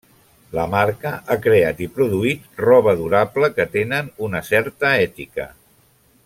La marca ha creat i produït roba durable que tenen una certa ètica.